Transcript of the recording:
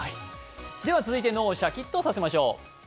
続いて脳をシャキッとさせましょう。